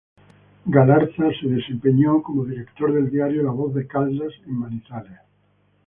Galarza se desempeñó como director del diario "La Voz de Caldas", en Manizales.